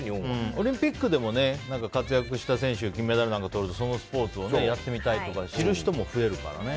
オリンピックでも活躍した選手が金メダルなんかとるとそのスポーツをやってみたいとか知る人も増えるからね。